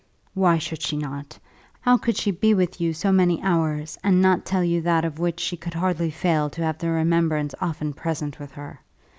"Why should she not? How could she be with you so many hours, and not tell you that of which she could hardly fail to have the remembrance often present with her.